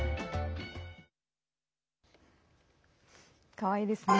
かわいいですね。